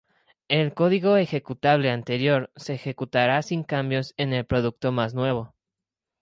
El código ejecutable anterior se ejecutará sin cambios en el producto más nuevo.